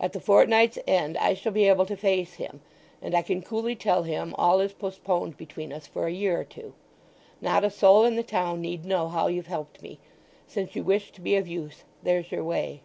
At the fortnight's end I shall be able to face him; and I can coolly tell him all is postponed between us for a year or two. Not a soul in the town need know how you've helped me. Since you wish to be of use, there's your way."